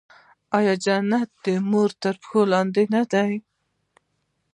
آیا جنت د مور تر پښو لاندې نه دی؟